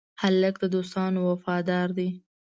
هلک د دوستانو وفادار دی.